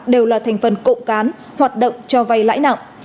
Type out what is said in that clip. đều là thành phần cộng cán hoạt động cho vay lãi nặng